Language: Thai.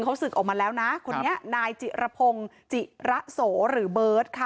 เขาศึกออกมาแล้วนะคนนี้นายจิรพงศ์จิระโสหรือเบิร์ตค่ะ